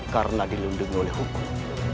karena dilindungi oleh hukum